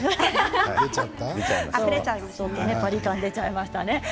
パリ感が出ちゃいましたね。